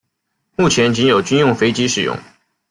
目前仅有军用飞机使用。